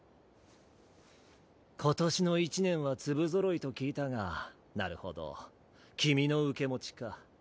今年の一年は粒ぞろいと聞いたがなるほど君の受け持ちか。